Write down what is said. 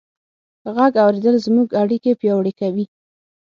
غږ اورېدل زموږ اړیکې پیاوړې کوي.